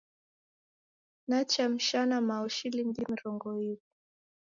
Nichamshana mao shilingi mirongo iw'i.